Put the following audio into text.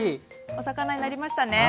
お魚になりましたね。